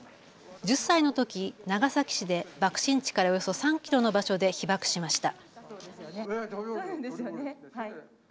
１０歳のとき長崎市で爆心地からおよそ３キロの場所で被爆しました。